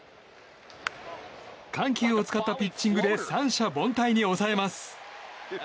緩急を使ったピッチングで三者凡退に抑えます。